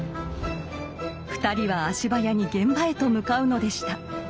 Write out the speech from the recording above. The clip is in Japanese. ２人は足早に現場へと向かうのでした。